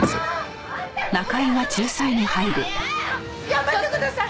やめてください！